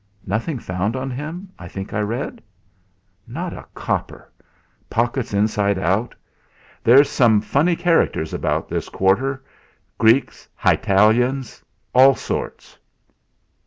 "Nothing found on him I think I read?" "Not a copper. Pockets inside out. There's some funny characters about this quarter. Greeks, Hitalians all sorts."